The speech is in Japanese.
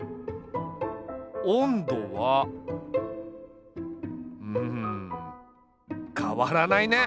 温度はうん変わらないね。